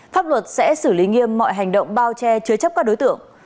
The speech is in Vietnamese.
pháp luật sẽ xử lý nghiêm mọi hành động bao che chứa chấp các đối tượng